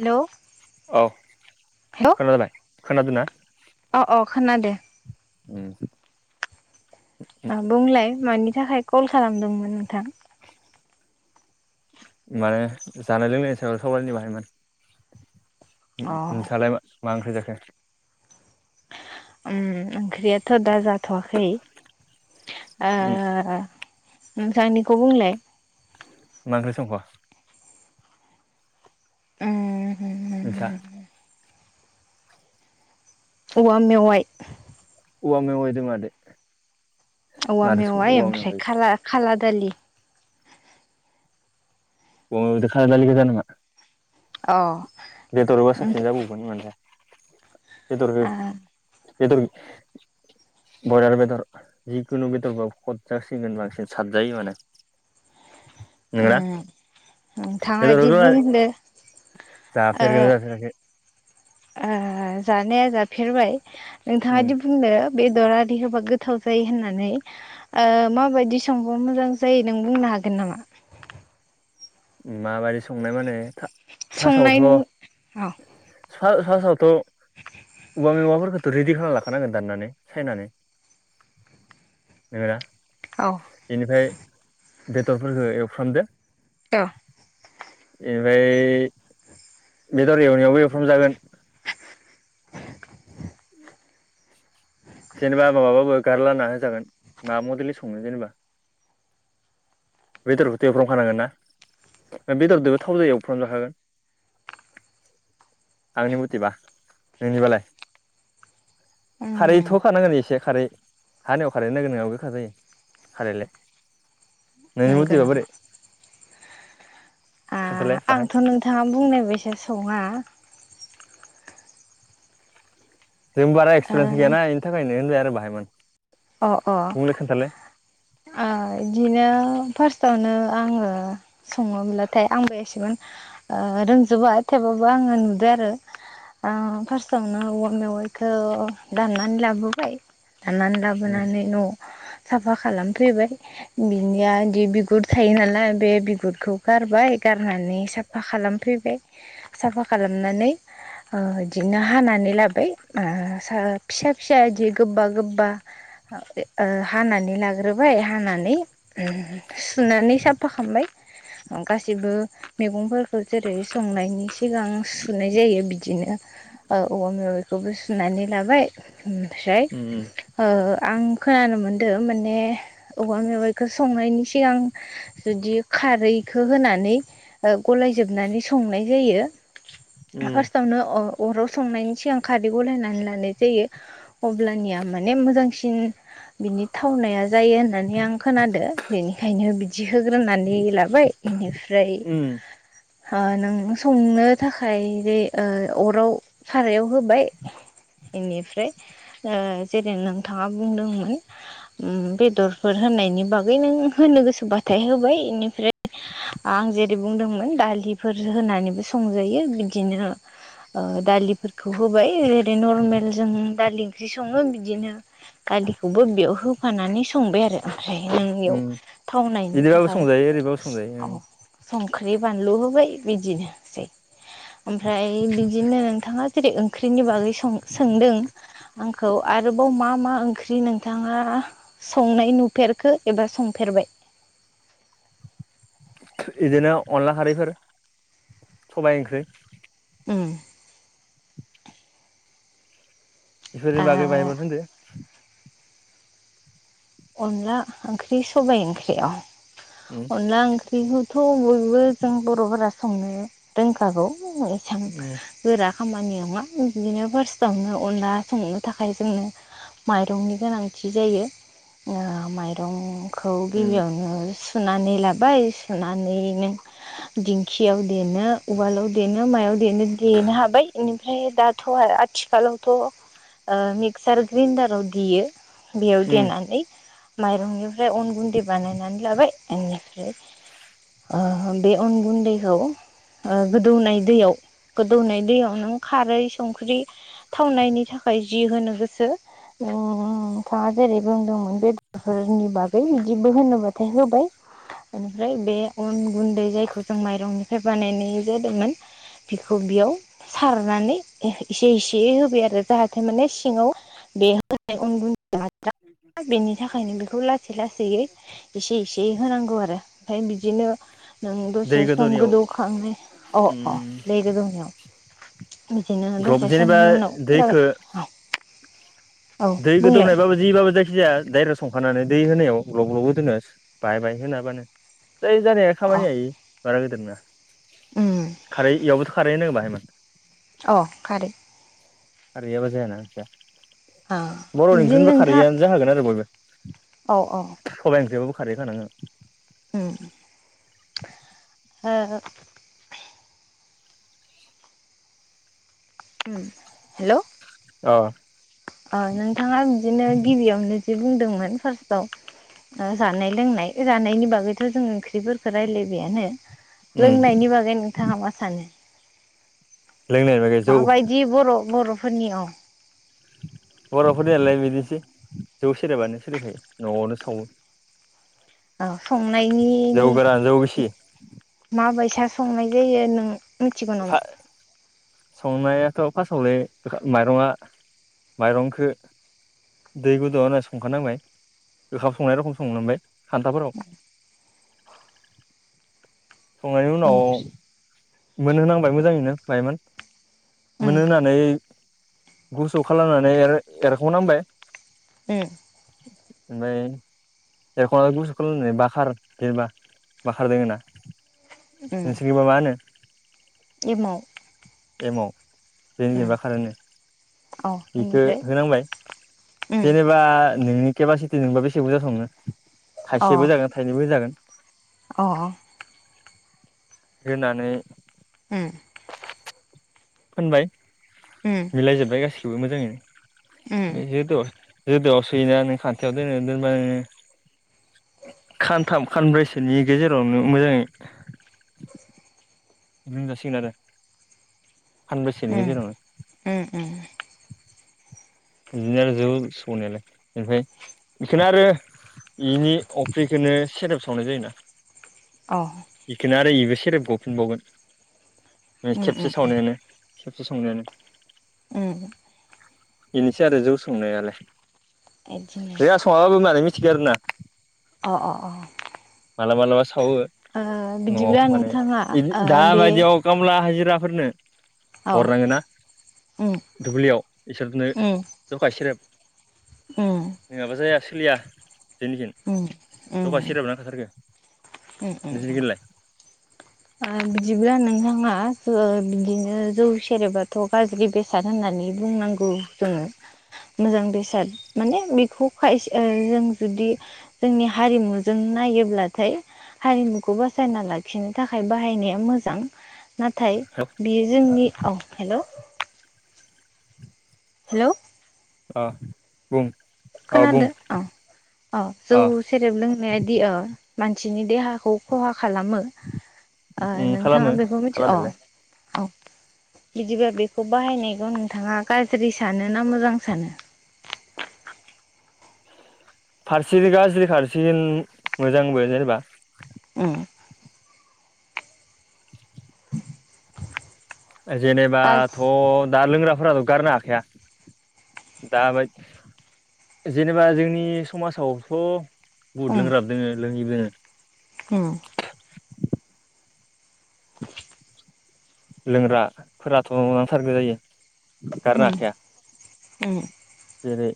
Hello हे खोनादोना? उम। ओ बुंलाय मानि थाखाय कल खालामदोंमोन नोंथां? माने जानाय लोंनाय सायाव सावरायनि बाहायमोन। नो‌ अ नोंस्रालाय मा ओंख्रि जाखो? उम ओंख्रियाथ' दा जाथ'वाखै ओ नोंस्रानिखौ बुंलाय मा ओंख्रि संखो? उम नोंसा औवा मेवाय औवा मेवाइ जों माजो? औवा मादो संदो मेवाइ औवा ओमफ्राय खाला खाला दालि अ [unintelligible] खाला दालि [unintelligible] अ। बेदरबा उम साबसिन जाबावगोन माने बेदरहो बेदर बयलार बेदर जिखुनु बेदरबाबो खद जासिनगोन बांसिन सादजायो माने नोंगोना नोंथाङा दि बुंदो [unintelligible] जाफेरखोना जाफेराखै? ओ‌ जानाया जाफेरबाय उम नोंथाङा दि बुंदो बे दर आरि होबा गोथाव जायो होननानै ओ माबायदि संबा मोजां जायो नों बुंनो हागोन नामा [inaudible] माबायदि संनाय माने फा संनायनि फासआवथ' औ फा फासआवथ' औवा मेवाइफोरखौथ' रेदि खालामना लाखानांगोन दाननानै सायनानै नोंगोना औ बेनिफ्राय बेदरफोरखौ एवफ्रामदो अ। बेनिफ्राय बेदर एवनायावबो एवफ्राम जागोन जेनेबा माबाबाबो गारला ना होजागोन मा मडेलनि सङो जेनेबा बेदरखौथ एवफ्रामखानांगोन ना बेदरजोंबो थावजों एवफ्राम जाखागोन आंनि मथेबा नोंनिबालाय? उम खारैथ'होखानांगोन एसे खारै हानिव खारैनो गोरोनाव गोखा जायो खारैलाय [inaudible] नोंनि नंगौ मथेबा नामा? बोरै खोन्थालाय बाहाय आंथ' नोंथाङा बुंनाय बायसा सङा [inaudible] जोंबो बारा एक्सपिरियेन्स गैयाना इनि थाखायनो आरो बाहायमोन अ अ बुंलाय खोन्थालाय बिदिनो फार्स्ट [inaudible] फ्टआवनो आङो सङोब्लाथाय आंबो एसेबांमानि रोंजोबा थेवब्लाबो आं आङो नुदों आरो फार्स्टआवनो औवा मेवाइखौ दाननानै लाबोबाय दाननानै उम लाबोनानै न'वाव साफा खालामफैबाय बिनिया बि बिगुर थायो नालाय बे बिगुरखौ गारबाय गारनानै साफा खालामफैबाय साफा खालामनानै बिदिनो हानानै लाबाय फिसा फिसा बिदि गोबा गोबा हानानै लाग्रोबाय हानानै सुनानै साफा खालाम ओमफ्राय गासैबो मैगंफोरखौ जेरै संनायनि सिगां सुनाय जायो बिदिनो औ औवा मेवाइखौबो सुनानै लाबाय ओमफ्राय उम ओ आं खोनानो मोनदों माने औवा मेवाइखौ संनायनि सिगां जुदि खारैखौ होनानै गलायजोबनानै संनाय जायो। फारस्टआवनो अ अराव संनायनि सिगां खारै गलायनानै लानाय जायो अब्लानिया माने मोजांसिन बिनि थावनाया जायो होननानै आं खोनादों बेनिखायनो बिदि होग्रोनानै लाबाय बेनिफ्राय उम ओमफ्राय नों संनो थाखाय बे अराव सारायाव होबाय बेनिफ्राय जेरै नोंथाङा बुंदोंमोन बेदरफोर होनायनि बागै नों होनो गोसोबाथ फिथाइ होबाय बेनिफ्राय आं जेरै बुंदोंमोन दालिफोर होनानैबो संजायो बिदिनो दालिफोरखौ होबाय ओै नर्मेल जों दालि ओंख्रि सङो बि बिदिनो दालिखौबो बेयाव होफानानै संबाय आरो ओमफ्राय नों बेयाव उम थावनायनि बिदिबाबो थाखाय संजायो ओरैबाबो संजायो औ संख्रि बानलु होबाय बिदिनोसै ओमफ्राय बिदिनो नोंथाङा जेरै ओंख्रिनि बागै सोंदों आंखौ आरोबाव मा मा ओंख्रि नोंथाङा संनाय नुफेरखो एबा संफेरबाय [inaudible] बिदिनो अनला खारैफोर सबाय ओंख्रि ओम बेफोरनि आ बागै बायबानो होनदो अनला ओंख्रि सबाइ ओंख्रि औ उम अनला ओंख्रिखौथ' बयबो जों बर'फोरा संनो रोंखागौ एसां उम गोरा खामानि नङा बिदिनो फार्स्टआवनो अनला संनो थाखाय जोंनो माइरंनि गोनांथि जायो माइरंखौ गिबियावनो सुनानै लाबाय सुनानै नों दिंखियाव देनो उवालाव देनो मायाव देनो देनो हाबाय बेनिफ्राय दाथ' आरो आथिखालावथ' मिक्सार ग्राइन्डाराव देयो बेयाव उम देनानै माइरंनिफ्राय अन गुन्दै बानायनानै लाबाय बेनिफ्राय ओ बे अन गुन्दैखौ ओ गोदौनाय दैयाव गोदौनाय दैयाव नों खारै संख्रि थावनायनि थाखाय जि होनो गोसो नोंथाङा जेरै बुंदोंमोन बेदरफोरनि बागै बिदिबो होनोबाथाय होबाय बेनिफ्राय बे अन गुन्दै जायखौ जों माइरंनिफ्राय बानायनाय जादोंमोन। बेखौ बेयाव सारनानै इसे इसे होबाय आरो जाहाथे माने सिङाव बे होनाय उन [inaudible] बेनि थाखायनो बेखौ लासै लासैयै इसे इसे होनांगौ आरो ओमफ्राय बिदिनो नों द दै से सम गोदौनायाव गोदौखांनै अ अ उम दै गोदौनायाव बिदिनो ग्लब दसे जेनेबा समनि उनाव दैखो जाबाय औ दै बुंलाय गोदौनायबाबो जि बाबो जाय खिजाया डाइरेक्ट संखानानै दै होनायाव ग्लब ग्लब गोदौनायाव बाहाय बाय होना होबानो जायो जानाया अ खामानिया बारा गोदोर नङा उम खारै इयावबोथ' खारै होनांगो बाहाय [inaudible] [unintelligible] अ खारै खारै होआबा जायाना ओंख्रिया अ बर'नि ओंख्रि बिदिनो होनबा नोंथां खारआनो जाखागोन आरो बयबो औ औ सबाइ ओंख्रि खारै‌ थानांगोन उम ओ हेल' औ ओ नोंथाङा बिदिनो गिबियावनो जि बुंदोंमोन फार्स्टआव जानाय लोंनाय जानायनि बागैथ' जों ओंख्रिफोरखौ रायलायबायानो उम लोंनायनि बागै नोंथाङा मा सानो लोंनाय बागै जौ माबायदि बर' बर'फोरनियाव बर'फोरनियालाय बिदिनोसै जौ सेरेबानो सोलिखायो न'आवनो सावो औ जौ संनायनि गोरान जौ गिसि माबायसा संनाय जायो नों मिथिगौ नामा संनाया फास्टावनो माइरङा माइरंखो दै गुदुङाव होना संखानांबाय ओखाम संनाय रखम संनांबाय खान्थाफोराव संनायनि उनाव बेनिफ्राय मोनहोनांबाय मोजाङैनो बखयमान उम मोनहोनानै गुसु खालामनानै एरखावनांबाय उम ओमफ्राय एरख'ना गुसु खालामनानै बाखार जेनेबा बाखार दोङोना उम नोंसिनिगिबा मा होनो एमाव एमाव जोंनिजों उम बाखार अ होनो बेखो बेनिफ्राय होनांबाय उम जेनेबा नोंनि केपासिटि नोंबा बेसे बुजा सङो थाइसेबो होजागोन थाइनैबो होजागोन अ अ होनानै उम फोनबाय उम मिलायजोबबाय गासिखौबो मोजाङैनो उम बे जोदोआव जोदोआव सोयोना नों खान्थायाव दोनो दोनबा नोङो खानथाम खानब्रैसोनि गेजेरावनो मोजाङै मोनजासिगोन आरो सानब्रैसेनि उम गेजेरावनो उम उम बिदिनो आरो जौ संनायालाय ओमफ्राय बेखोनो आरो इनि अफ्रिखोनो सेरेब सावनाय जायोना अ इखौनो आरो इबो सेरेब गफिनबावगोन। ओ उम उम खेबसे सावनायानो खेबसे संनायानो। उम उम बेनोसै आरो जौ संनायालाय जोंहा बिदिनोसै सङाबाबो माने मिथ थिगो आरो ना अ अ अ मालाबा मालाबा सावो। ओ बिदिब्ला न'आव माने नोंथाङा इद ओ दा बे बायदियाव खामला हाजि रा फोरनो औ हरनांगोन ना उम दुब्लियाव इसोरनो उम जखाय सेरप उम नङाबा जाया सोलिया जोंनिखिन उम जखाय उम सेरेब नांखाथारगो। उम नोंसोरनिखिलाय उम बिदिब्ला नोंथाङा ओ बिदिनो जौ सेरेबाथ' गाज्रि बेसाद होननानै बुंनां गौ जोङो। मोजां बेसाद माने बेखौ खायस ओ जों जुदि जोंनि हारिमुजों नाय योब्लाथाय हारिमुखौ बासायना लाखिनो थाखाय बाहायनाया मोजां नाथाय बियो जोंनि औ हेलौ। हेलौ अ बुं। अ बुं खोनादो अ अ जौ सेरेब लोंनायादि अ मानसिनि देहाखौ खहा खालामो ओ उम खालामो नोंथाङा बेखौ मिथि अ खालामनायालाय औ बिदिब्ला बेखौ बाहायनायखौ नोंथाङा गाज्रि सानो ना मोजां सानो? [inaudible] फारसेजों गाज्रि फारसेजोन मोजांबो जेनेबा। उम [inaudible] गाज जेनेबाथ' दा लोंग्राफोराथ' गारनो हाखाया। दाबायद जेनेबा जोंनि समाजावथ' उम बहुद लोंग्राबो दोङो लोंङिबो दोङो। उम लोंग्राफोराथ' नांथारगो जायो। गारनो उम हाखाया उम जेरै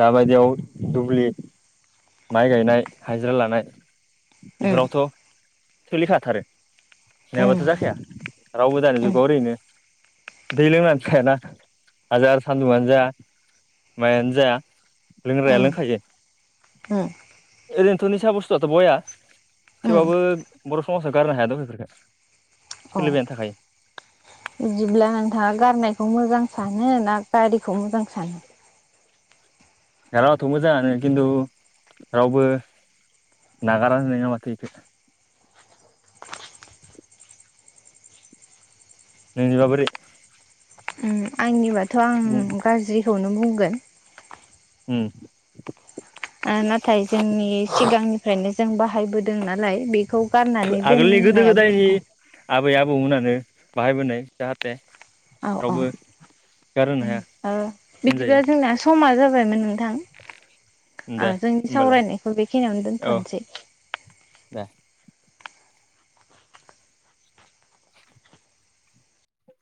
दाबायदियाव दुब्लि माइ गायनाय हायाजिरा लानाय उम बेफोरावथ' सोलिखाथारो उम नङाबाथ' जा खाया रावबो दानि उम जुगाव ओरैनो दै लोंनानै थायाना हाजार सान्दुंङानो जा मायानो जा लोंग्राया उम उम लोंखायो। ओरैनोथ' निसा बस्थुआथ' बया उम थेवबाबो बर' समाजाव गारनो हायादख' बेफोरखो अ सोलिबायानो थाखायो। बिदिब्ला नोंथाङा गारनायखौ मोजां सानो ना गारिखौ मोजां सानो? गारबाथ' मोजाङानो खिन्थु रावबो नागारा नङा माथो इखो। नोंनिबा बोरै? उम आंनिबाथ' आं बुं गाज्रिखौनो बुंगोन। उम ओ नाथाय जोंनि सिगांनिफ्रायनो जों बाहायबोदों नालाय बे खौ गारनानै आगोलनि गोदो दोननायाबो गोदायनि अ आबै आबौमोनानो बाहायबोनाय जाहाथे अ अ रावबो गारहोनो उम हाया ओ बिदिबा होनजायो जोंना समा जाबायमोन नों दे थां जोंनि होमबालाय सावरायनायखौ बेखिनियावनो औ दोनथ'नोसै‌। दे